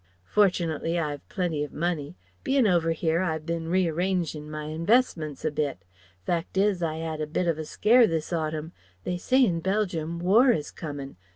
Fortunately I've plenty of money. Bein' over here I've bin rearranging my investments a bit. Fact is, I 'ad a bit of a scare this autumn. They say in Belgium, War is comin'.